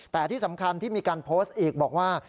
แต่ที่สำคัญที่มีการโพสต์อีกบอกว่า